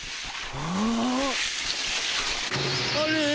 あれ？